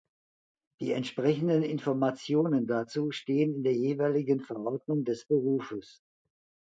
Die entsprechenden Informationen dazu stehen in der jeweiligen Verordnung des Berufes.